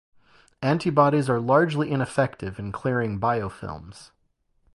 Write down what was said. Antibiotics are largely ineffective in clearing biofilms.